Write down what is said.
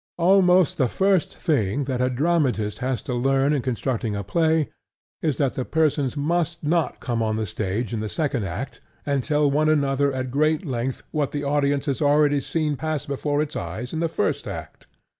Almost the first thing that a dramatist has to learn in constructing a play is that the persons must not come on the stage in the second act and tell one another at great length what the audience has already seen pass before its eyes in the first act.